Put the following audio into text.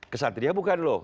kesatria bukan loh